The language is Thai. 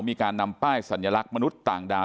มีการนำป้ายสัญลักษณ์มนุษย์ต่างดาว